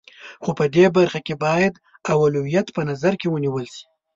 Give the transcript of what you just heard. خو په دې برخه کې باید اولویتونه په نظر کې ونیول شي.